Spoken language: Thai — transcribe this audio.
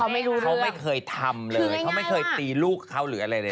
เค้าไม่เคยทำเลยเค้าไม่เคยตีลูกเค้าหรืออะไร